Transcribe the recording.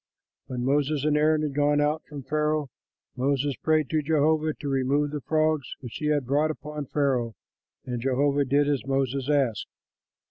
When Moses and Aaron had gone out from Pharaoh, Moses prayed to Jehovah to remove the frogs which he had brought upon Pharaoh; and Jehovah did as Moses asked.